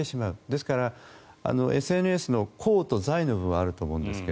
ですから、ＳＮＳの功と罪の部分があると思うんですが